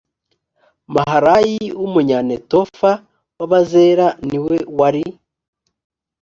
maharayi w umunyanetofa w abazera ni we wari